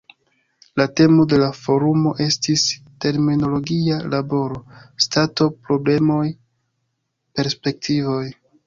La temo de la forumo estis "Terminologia laboro: Stato, problemoj, perspektivoj".